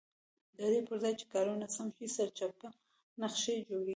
ددې پرځای چې کارونه سم شي سرچپه نقشې جوړېږي.